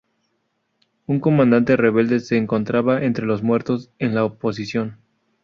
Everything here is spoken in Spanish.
Un comandante rebelde se encontraba entre los muertos en la oposición.